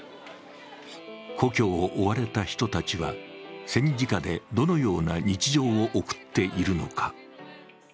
故郷を追われた人たちは戦時下でどのような日常を送っているのか。